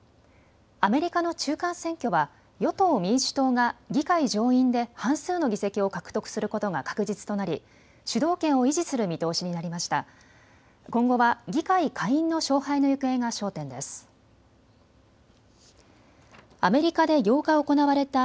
アメリカの中間選挙は与党・民主党が議会上院で半数の議席を獲得することが確実となり主導権を維持する見通しになりました。